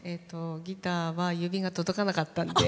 ギターは指が届かなかったので。